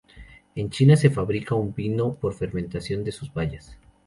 En China, se fabrica un vino por fermentación de sus bayas.